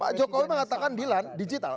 pak jokowi mengatakan digital